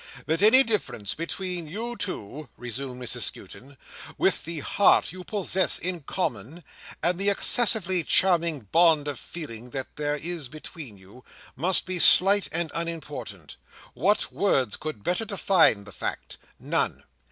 "That any difference between you two," resumed Mrs Skewton, "with the Heart you possess in common, and the excessively charming bond of feeling that there is between you, must be slight and unimportant? What words could better define the fact? None.